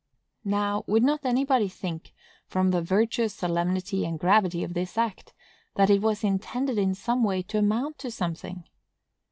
Now, would not anybody think, from the virtuous solemnity and gravity of this act, that it was intended in some way to amount to something?